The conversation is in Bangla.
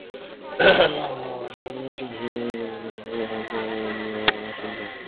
হাত বাঁধা অবস্থায় একজন প্রতিবন্ধী মানুষের পক্ষে ফ্যানের সঙ্গে ফাঁস নেওয়া অসম্ভব।